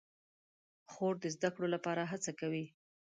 خور د زده کړو لپاره هڅه کوي.